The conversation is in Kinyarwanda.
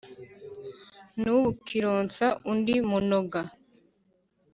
n' ubu kironsa undi munoga !